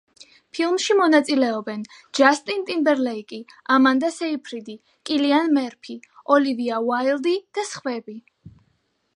ფილმში მონაწილეობენ: ჯასტინ ტიმბერლეიკი, ამანდა საიფრიდი, კილიან მერფი, ოლივია უაილდი და სხვები.